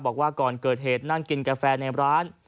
บอกว่าก่อนเกิดเหตุนั่งกินกาแฟในร้าน